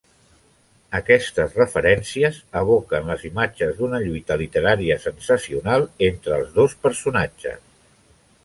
Aquestes referències evoquen les imatges d'una lluita literària sensacional entre els dos personatges.